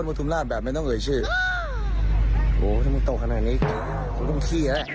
ส่วนหวัดเราดังมาก